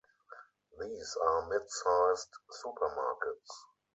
These are mid-sized supermarkets.